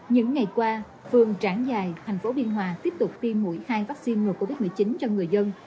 những ngày qua phường trảng giài tp biên hòa tiếp tục tiêm mũi hai vaccine ngừa covid một mươi chín cho người dân